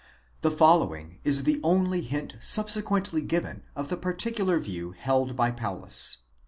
The follow ing is the only hint subsequently given of the particular view held by Paulus.